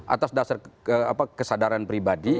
atas dasar kesadaran pribadi